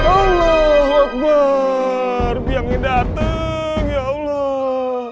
allahuakbar piangnya dateng ya allah